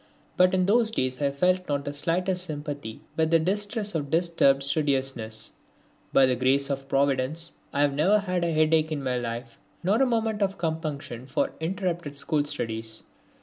But in those days I felt not the slightest sympathy with the distress of disturbed studiousness. By the grace of Providence I have never had a headache in my life, nor a moment of compunction for interrupted school studies.